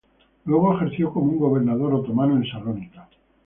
Luego ejerció como un gobernador otomano en Salónica.